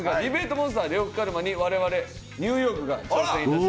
モンスター呂布カルマに我々ニューヨークが挑戦いたしました。